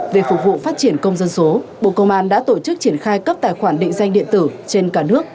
về phục vụ phát triển công dân số bộ công an đã tổ chức triển khai cấp tài khoản định danh điện tử trên cả nước